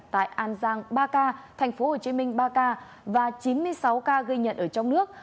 tại an giang ba ca tp hcm ba ca và chín mươi sáu ca ghi nhận ở trong nước